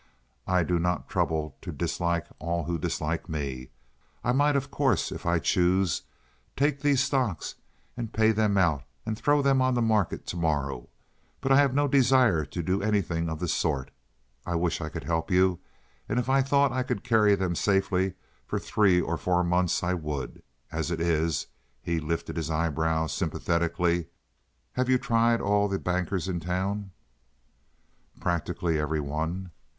I do not trouble to dislike all who dislike me. I might, of course, if I chose, take these stocks and pay them out and throw them on the market to morrow, but I have no desire to do anything of the sort. I only wish I could help you, and if I thought I could carry them safely for three or four months I would. As it is—" He lifted his eyebrows sympathetically. "Have you tried all the bankers in town?" "Practically every one."